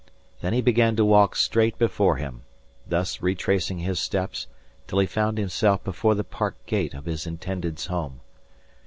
Then he began to walk straight before him, thus retracing his steps till he found himself before the park gate of his intended's home.